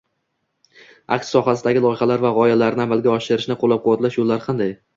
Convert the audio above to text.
Akt sohasidagi loyihalar va g’oyalarni amalga oshirishni ko’llab-quvvatlash yo’llari qanday?